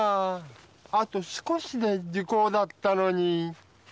あと少しで時効だったのに。